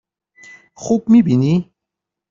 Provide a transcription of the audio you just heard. خوب می بینی؟